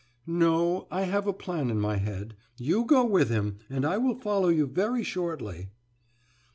"No, I have a plan in my head. You go with him, and I will follow you very shortly."